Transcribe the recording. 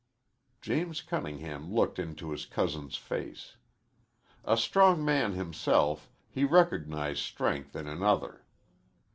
James Cunningham looked into his cousin's face. A strong man himself, he recognized strength in another.